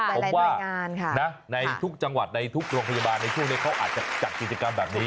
ผมว่าในทุกจังหวัดในทุกโรงพยาบาลในช่วงนี้เขาอาจจะจัดกิจกรรมแบบนี้